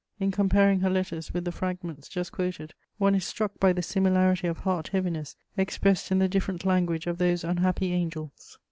In comparing her letters with the fragments just quoted, one is struck by the similarity of heart heaviness expressed in the different language of those unhappy angels.